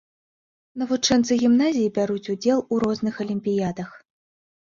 Навучэнцы гімназіі бяруць удзел ў розных алімпіядах.